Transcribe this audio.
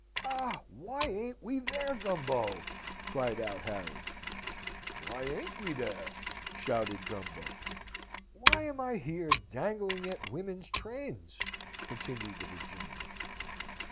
"Ah, why ain't we there, Gumbo?" cried out Harry. "Why ain't we dar?" shouted Gumbo. "Why am I here, dangling at women's trains?" continued the Virginian.